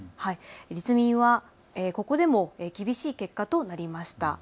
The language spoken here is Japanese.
立民はここでも厳しい結果となりました。